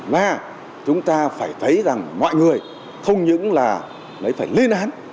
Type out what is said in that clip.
mà chúng ta phải thấy rằng mọi người không những là phải lên án